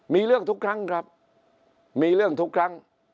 มีเรื่องทุกครั้งครับมีเรื่องทุกครั้ง